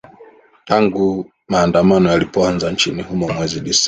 tangu maandamano yalipoanza nchini humo mwezi desemba